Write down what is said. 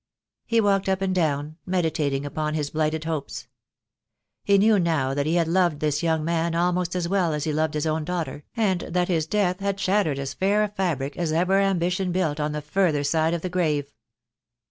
He walked up and down, meditating upon his blighted hopes. He knew now that he had loved this young man almost as well as he loved his own daughter, and that his death had shattered as fair a fabric as ever ambition built on the further side of the grave.